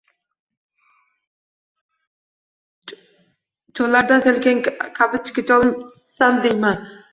Cho’llardan sel kabi kecholsam, deyman.